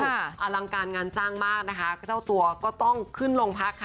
อลังการงานสร้างมากนะคะเจ้าตัวก็ต้องขึ้นโรงพักค่ะ